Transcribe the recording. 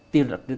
tidak pernah ada